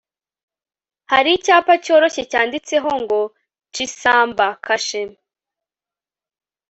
hari icyapa cyoroshye cyanditseho ngo, 'chisamba.' kashe